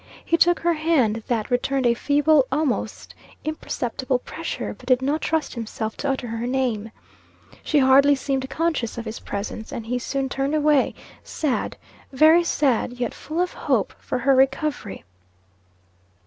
He took her hand, that returned a feeble, almost imperceptible pressure, but did not trust himself to utter her name. She hardly seemed conscious of his presence, and he soon turned away, sad, very sad, yet full of hope for her recovery.